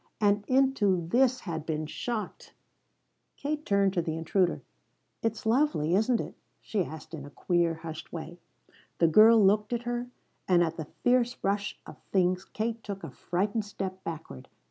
And into this had been shot ! Katie turned to the intruder. "It's lovely, isn't it?" she asked in a queer, hushed way. The girl looked at her, and at the fierce rush of things Kate took a frightened step backward.